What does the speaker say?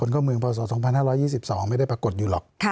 เข้าเมืองพศ๒๕๒๒ไม่ได้ปรากฏอยู่หรอก